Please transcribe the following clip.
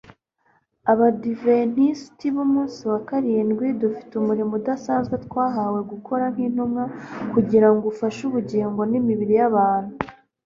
abadiventisti b'umunsi wa karindwi dufite umurimo udasanzwe twahawe gukora nk'intumwa, kugira ngo ufashe ubugingo n'imibiri by'abantu